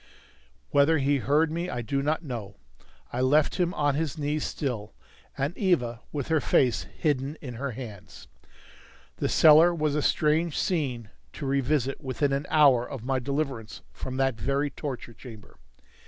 Whether he heard me I do not know. I left him on his knees still, and Eva with her face hidden in her hands. The cellar was a strange scene to revisit within an hour of my deliverance from that very torture chamber.